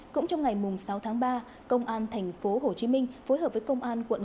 cũng trong ngày sáu tháng ba công an tp hồ chí minh phối hợp với công an tp hồ chí minh